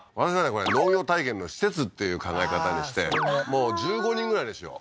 これ農業体験の施設っていう考え方にしてもう１５人ぐらいにしよう